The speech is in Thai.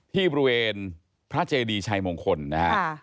ที่บริเวณพระเจดีชัยมงคลนะฮะ